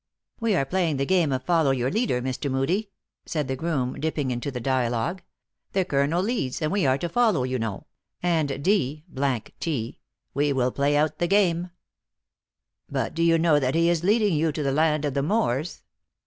" We are playing the game of follow your leader, Mr. Moodie," said the groom, dipping into the dia logue. " The Colonel leads, and we are to follow you know; and d 1, we will play out the game." " But do you know that he is leading you to the land of the Moors?"